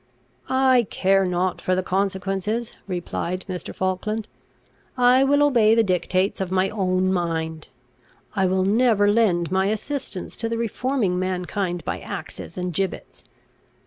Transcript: "I care not for the consequences," replied Mr. Falkland; "I will obey the dictates of my own mind. I will never lend my assistance to the reforming mankind by axes and gibbets.